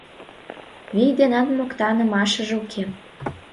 Вий денат моктанымашыже уке.